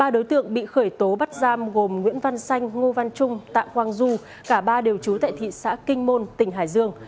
ba đối tượng bị khởi tố bắt giam gồm nguyễn văn xanh ngô văn trung tạ quang du cả ba đều trú tại thị xã kinh môn tỉnh hải dương